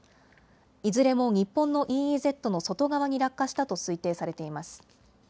いずれも日本のＥＥＺの外側に落下したと推定されています。